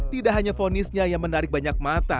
tidak hanya fonisnya yang menarik banyak mata